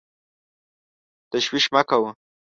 تشویش مه کوه !